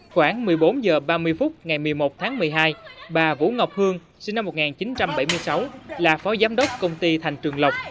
khoảng một mươi bốn h ba mươi phút ngày một mươi một tháng một mươi hai bà vũ ngọc hương sinh năm một nghìn chín trăm bảy mươi sáu là phó giám đốc công ty thành trường lộc